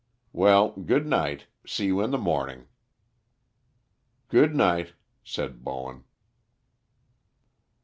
Well, good night, see you in the morning." "Good night," said Bowen.